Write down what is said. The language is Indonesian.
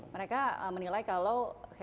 mereka menilai kalau kayaknya nggak cocok kan